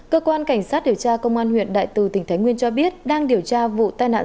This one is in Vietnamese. cơ quan cảnh sát điều tra công an huyện đại từ tỉnh thái nguyên cho biết đang điều tra vụ tai nạn